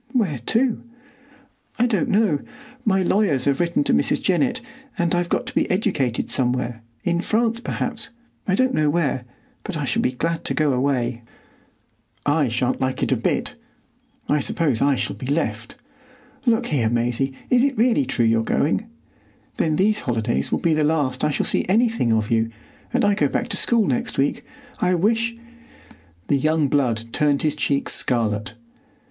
"Where to?" "I don't know. My lawyers have written to Mrs. Jennett, and I've got to be educated somewhere,—in France, perhaps,—I don't know where; but I shall be glad to go away." "I shan't like it a bit. I suppose I shall be left. Look here, Maisie, is it really true you're going? Then these holidays will be the last I shall see anything of you; and I go back to school next week. I wish——" The young blood turned his cheeks scarlet.